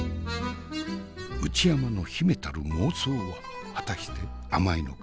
内山の秘めたる妄想は果たして甘いのか？